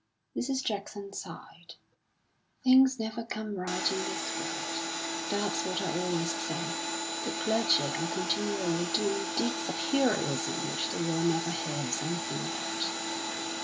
Mrs. Jackson sighed. "Things never come right in this world. That's what I always say; the clergy are continually doing deeds of heroism which the world never hears anything about."